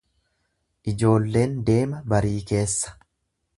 Ijoolleen deema barii keessa.